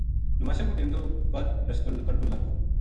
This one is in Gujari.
نماشاں کو ٹیم تھو بدل لسکن کڑکن لگو